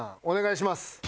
お願いします。